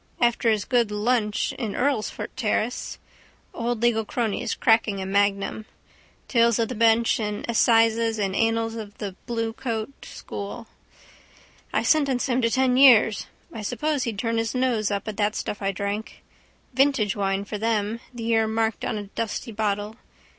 After his good lunch in Earlsfort terrace. Old legal cronies cracking a magnum. Tales of the bench and assizes and annals of the bluecoat school. I sentenced him to ten years. I suppose he'd turn up his nose at that stuff I drank. Vintage wine for them, the year marked on a dusty bottle.